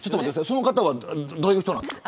その方はどういう人なんですか。